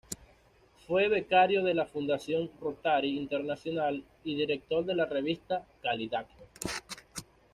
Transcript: Fue becario de la Fundación Rotary Internacional y director de la revista "Calidad".